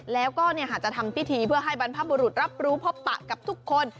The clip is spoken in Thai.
แล้วก็จะทำพิธีเพื่อให้บรรพบุรุษรับรู้พบปะกับทุกคน